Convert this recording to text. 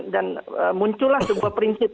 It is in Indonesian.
dan muncullah sebuah prinsip